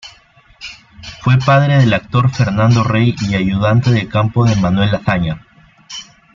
Fue padre del actor Fernando Rey y ayudante de campo de Manuel Azaña.